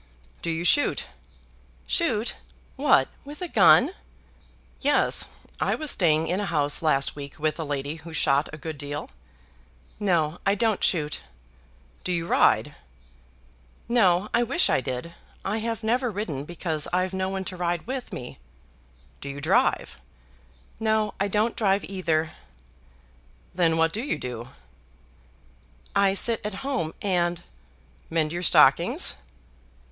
"Do you shoot?" "Shoot! What; with a gun?" "Yes. I was staying in a house last week with a lady who shot a good deal." "No; I don't shoot." "Do you ride?" "No; I wish I did. I have never ridden because I've no one to ride with me." "Do you drive?" "No; I don't drive either." "Then what do you do?" "I sit at home, and " "Mend your stockings?"